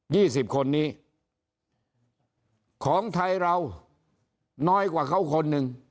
ี่สิบคนนี้ของไทยเราน้อยกว่าเขาคนหนึ่ง